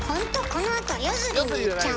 このあと夜釣りに行っちゃうの？